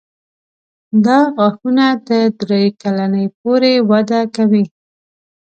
دا غاښونه تر درې کلنۍ پورې وده کوي.